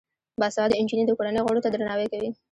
باسواده نجونې د کورنۍ غړو ته درناوی کوي.